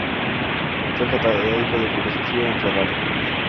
Fue catedrático de filosofía en Ferrara.